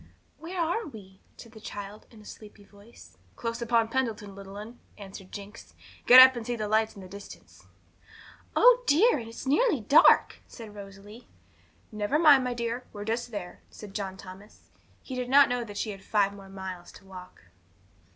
'Where are we?' said the child, in a sleepy voice. 'Close upon Pendleton, little 'un,' answered Jinx. 'Get up and see the lights in the distance.' 'Oh dear, and it's nearly dark!' said Rosalie. 'Never mind, my dear; we're just there,' said John Thomas. He did not know that she had five more miles to walk.